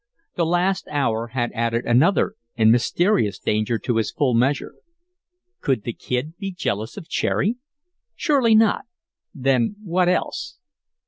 The last hour had added another and mysterious danger to his full measure. Could the Kid be jealous of Cherry? Surely not. Then what else?